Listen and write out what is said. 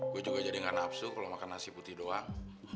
gue juga jadi gak napsu kalau makan nasi putih doang